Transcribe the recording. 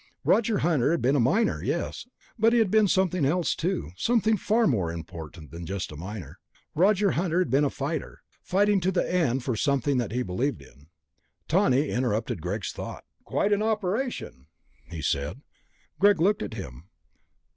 Roger Hunter had been a miner, yes. But he had been something else too, something far more important than just a miner. Roger Hunter had been a fighter, fighting to the end for something he believed in.... Tawney interrupted Greg's thought. "Quite an operation," he said. Greg looked at him.